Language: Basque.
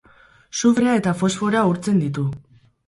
Sufrea eta fosforoa urtzen ditu.